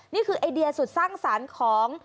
นี่คือไอเดียสุดสร้างสรรค์ของ